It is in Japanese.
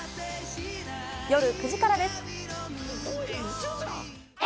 夜９時からです。